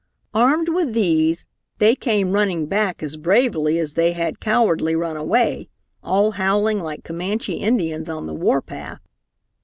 Armed with these, they came running back as bravely as they had cowardly run away, all howling like Comanche Indians on the warpath.